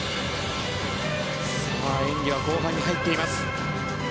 演技は後半に入っています。